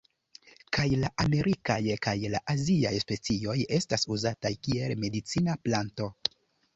Kaj la amerikaj kaj la aziaj specioj estas uzataj kiel medicina planto.